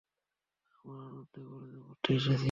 আমরা আনন্দে কলেজে পড়তে এসেছি।